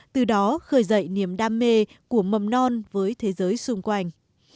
từ đó khởi dậy niềm đam mê của mầm non với thế giới xung quanh